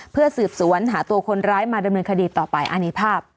เพื่อสืบสวนหาตัวคนร้ายมาดำเนินคดีต่อไปอันนี้ภาพ